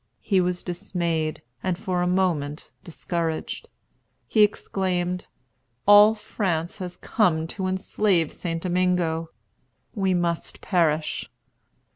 He was dismayed, and for a moment discouraged. He exclaimed, "All France has come to enslave St. Domingo. We must perish."